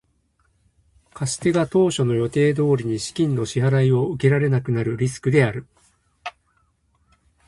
信用リスクとは借り手が十分な資金を用意できず、貸し手が当初の予定通りに資金の支払を受けられなくなるリスクである。